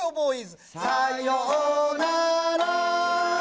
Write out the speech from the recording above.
さようなら！